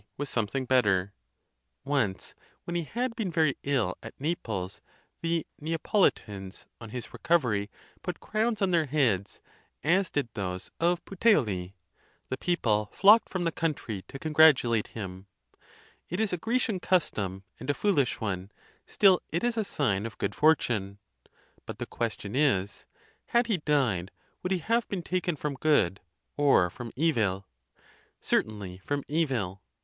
47 was something better: once, when he had been very ill at Naples, the Neapolitans, on his recovery, put crowns on their heads, as did those of Puteoli; the people flocked from the country to congratulate him—it is a Grecian custom, and a foolish one; still it is a sign of good fort une. But the question is, had he died, would he have been taken from good, or from evil? Certainly from evil.